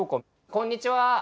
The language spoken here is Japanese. こんにちは。